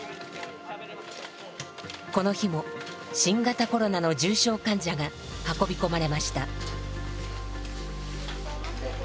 この日も新型コロナの重症患者が運び込まれました。